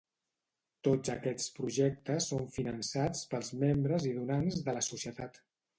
Tots aquests projectes són finançats pels membres i donants de la Societat.